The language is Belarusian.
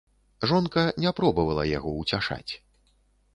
Жонка не пробавала яго ўцяшаць.